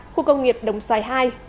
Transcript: khu công nghiệp đồng xoài hai